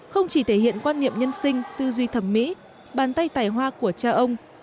không chỉ thể hiện quan niệm nhân sinh tư duy thẩm mỹ bàn tay tài hoa của cha ông